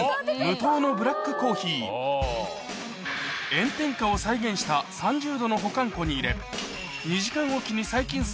炎天下を再現した３０℃の保管庫に入れ